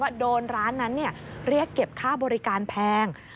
ว่าโดนร้านนั้นเรียกเก็บค่าบริการแพง